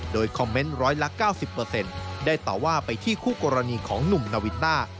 โดยคอมเมนต์๑๙๐ได้ต่อว่าไปที่คู่กรณีของหนุ่มนาวินต้า